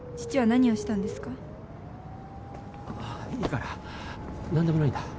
何でもないんだ。